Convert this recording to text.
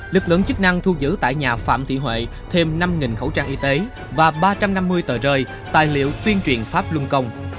lực lượng chức năng thu giữ tại nhà phạm thị huệ thêm năm khẩu trang y tế và ba trăm năm mươi tờ rơi tài liệu tuyên truyền pháp luân công